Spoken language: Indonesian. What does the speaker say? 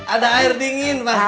ada air dingin pasti